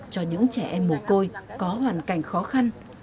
cho những trẻ em mồ côi có hoàn cảnh khó khăn